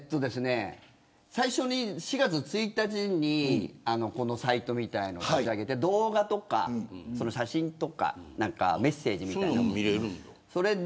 最初に、４月１日にサイトみたいなのを立ち上げて動画とか写真とかメッセージみたいなものを。